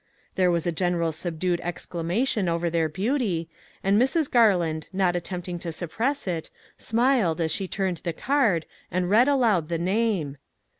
There was a gen eral subdued exclamation over their beauty, and Mrs. Garland not attempting to suppress it, smiled as she turned the card and read aloud the name.